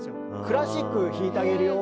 「クラシック弾いてあげるよ